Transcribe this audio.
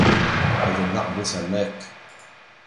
Qegħdin naqblu s'hemmhekk?